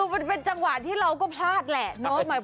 คือเป็นจังหวะที่เราก็พลาดแหละ